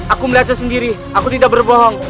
aku melihatnya sendiri aku tidak berbohong